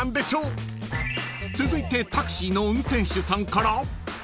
［続いてタクシーの運転手さんから］